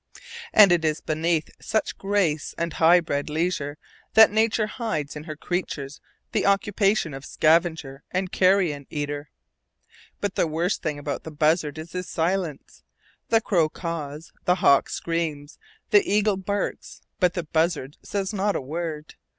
And it is beneath such grace and high bred leisure that Nature hides in her creatures the occupation of scavenger and carrion eater! But the worst thing about the buzzard is his silence. The crow caws, the hawk screams, the eagle barks, but the buzzard says not a word.